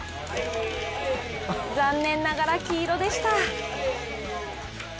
残念ながら黄色でした。